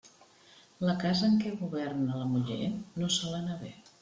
La casa en què governa la muller, no sol anar bé.